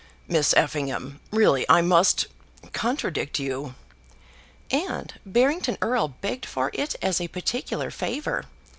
"Miss Effingham, really I must contradict you." "And Barrington Erle begged for it as a particular favour.